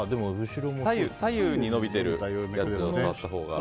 左右に伸びているやつを探したほうが。